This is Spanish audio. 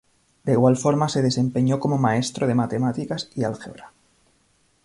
De igual forma se desempeñó como maestro de matemáticas y álgebra.